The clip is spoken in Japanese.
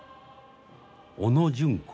小野純子。